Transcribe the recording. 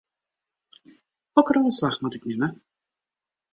Hokker ôfslach moat ik nimme?